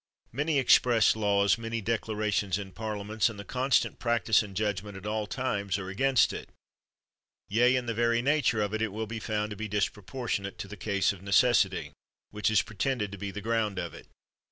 Many express laws, many declarations in parliaments, and the constant practise and judgment at all times 59 THE WORLD'S FAMOUS ORATIONS are against it! Yea, in the very nature of it, it will be found to be disproportionable to the case of "necessity" which is pretended to be the ground of it!